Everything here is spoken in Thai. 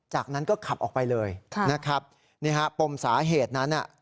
จากนั้นก็ขับออกไปเลยนะครับนี่ฮะปมสาเหตุนั้นน่ะ